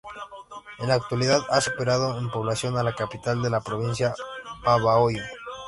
En la actualidad, ha superado en población a la capital de la provincia, Babahoyo.